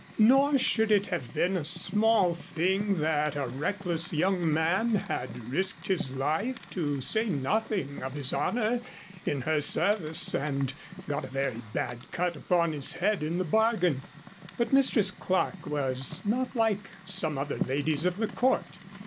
Nor should it have been a small thing that a reckless young man had risked his life to say nothing of his honor, in her service, and got a very bad cut upon his head in the bargain. But Mistress Clerke was not like some other ladies of the court.